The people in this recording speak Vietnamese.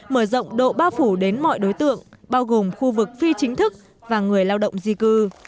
mở rộng độ bao phủ đến mọi đối tượng bao gồm khu vực phi chính thức và người lao động di cư